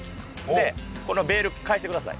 でこのベール返してください。